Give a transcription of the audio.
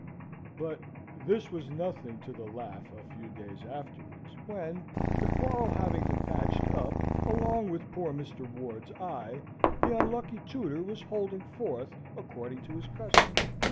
But this was nothing to the laugh a few days afterwards, when, the quarrel having been patched up, along with poor Mr. Ward's eye, the unlucky tutor was holding forth according to his custom.